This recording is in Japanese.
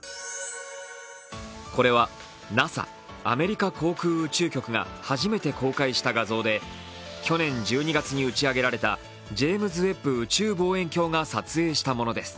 これはＮＡＳＡ＝アメリカ航空宇宙局が初めて公開した画像で去年１２月に打ち上げられたジェームズ・ウェッブ宇宙望遠鏡が撮影したものです。